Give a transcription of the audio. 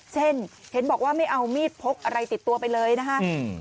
เช่นเห็นบอกว่าไม่เอามีดพกอะไรติดตัวไปเลยนะคะ